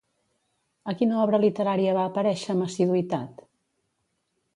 A quina obra literària va aparèixer amb assiduïtat?